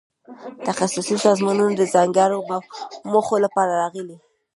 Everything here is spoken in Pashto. تخصصي سازمانونه د ځانګړو موخو لپاره راغلي.